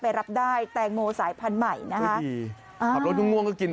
ไปรับได้แตงโมสายพันธุ์ใหม่นะฮะกลับรถทุกง่วงก็กิน